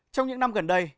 trong những năm gần đây